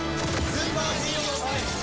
スーパーヒーロータイム！